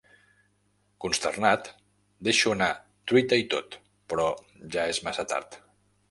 Consternat, deixo anar truita i tot, però ja és massa tard.